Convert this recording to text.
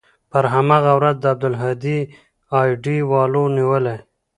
پر هماغه ورځ عبدالهادي سي آى ډي والاو نيولى.